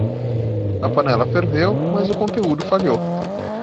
A panela ferveu, mas o conteúdo falhou.